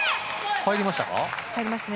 入りましたね。